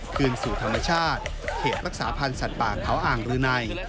คืนสู่ธรรมชาติเขตรักษาพันธ์สัตว์ป่าเขาอ่างรืนัย